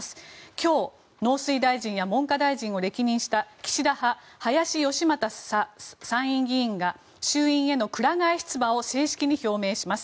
今日、農水大臣や文科大臣を歴任した岸田派、林芳正参院議員が衆院へのくら替え出馬を正式に表明します。